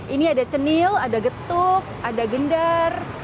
ini ada cenil ada getuk ada gendar